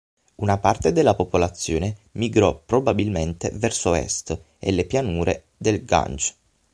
Una parte della popolazione migrò probabilmente verso est e le pianure del Gange.